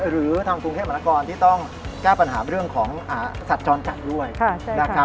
หรือทางกรุงเทพมหานครที่ต้องแก้ปัญหาเรื่องของสัตว์จรจัดด้วยนะครับ